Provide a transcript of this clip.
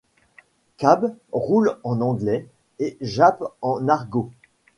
Cab roule en anglais et jappe en argot